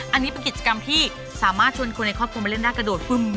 อันนี้เป็นกิจกรรมที่สามารถชวนคนในครอบครัวมาเล่นได้กระโดดฟึ้ม